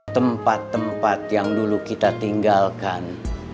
tempat tempat yang dulu kita tinggalkan